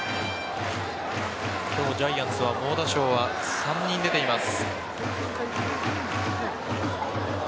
今日、ジャイアンツは猛打賞は３人出ています。